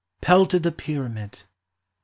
) Pelted the Pyramid !